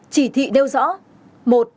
chỉ thị đeo rõ